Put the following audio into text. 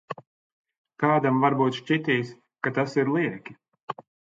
Kādam varbūt šķitīs, ka tas ir lieki.